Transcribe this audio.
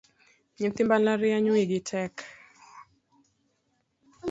Nyithi mbalariany wigi tek